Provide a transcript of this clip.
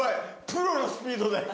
プロのスピードだよ。